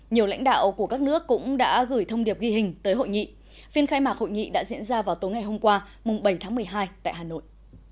nhiều lãnh đạo của các nước cũng đã gửi thông điệp ghi hình tới hội nghị phiên khai mạc hội nghị đã diễn ra vào tối ngày hôm qua bảy tháng một mươi hai tại hà nội